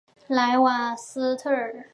莱瓦斯特尔。